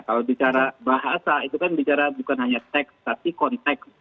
kalau bicara bahasa itu kan bicara bukan hanya teks tapi konteks